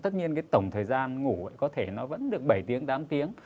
tất nhiên cái tổng thời gian ngủ có thể nó vẫn được bảy tiếng tám tiếng